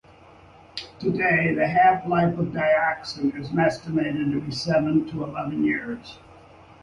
Today, the half-life of dioxin is estimated to be seven to eleven years.